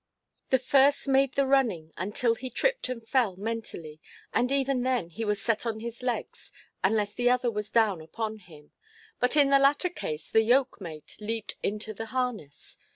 Δεξιύσειρος made the running, until he tripped and fell mentally, and even then he was set on his legs, unless the other was down upon him; but in the latter case the yoke–mate leaped into the harness.